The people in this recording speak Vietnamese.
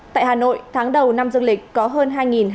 tại hà nội tháng đầu năm dương lịch có hơn hai hai trăm linh doanh nghiệp